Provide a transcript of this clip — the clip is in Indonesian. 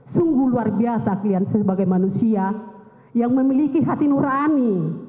sungguh luar biasa kalian sebagai manusia yang memiliki hati nurani